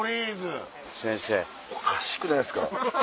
おかしくないですか。